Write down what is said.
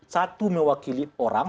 satu mewakili orang